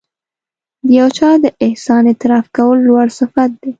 د یو چا د احسان اعتراف کول لوړ صفت دی.